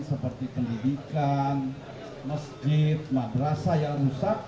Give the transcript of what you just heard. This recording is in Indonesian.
seperti pendidikan masjid madrasah yang rusak